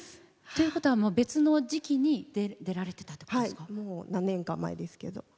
ということは別の時期に出られてた何年か前にですけど。